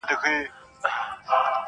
چا چي کړی په چاپلوس باندي باور دی؛